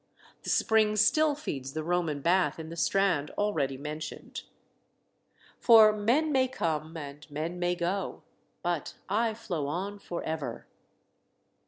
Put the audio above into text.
The spring still feeds the Roman Bath in the Strand already mentioned. "For men may come, and men may go, But I flow on for ever."